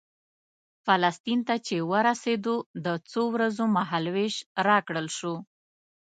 فلسطین ته چې ورسېدو د څو ورځو مهال وېش راکړل شو.